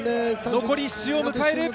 残り１周を迎える。